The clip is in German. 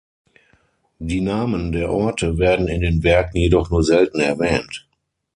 Die Namen der Orte werden in den Werken jedoch nur selten erwähnt.